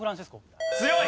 強い！